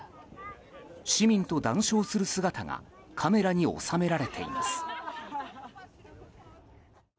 市民と談笑する姿がカメラに収められています。